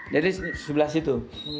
jadi sebelah situ